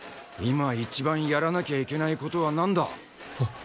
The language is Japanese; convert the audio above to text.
今一番やらなきゃいけない事はなんだ？